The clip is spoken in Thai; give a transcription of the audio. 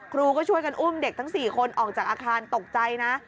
ครูก็ช่วยกันอุ้มเด็กทั้ง๔คนออกจากอาคารตกใจนะ